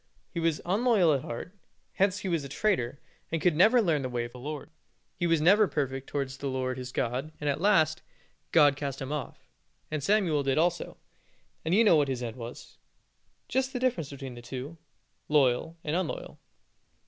He was unloyal at heart, hence he was a traitor, and never could learn the way of the Lord. He was never perfect towards the Lord his God, and, at last, God cast him off, and Samuel did also, and you know what his end was. Just the difference between the two loyal and unloyal.